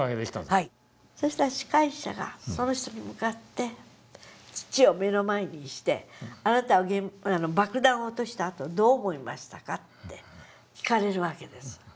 そしたら司会者がその人に向かって父を目の前にして「あなたは爆弾を落としたあとどう思いましたか？」って聞かれるわけです。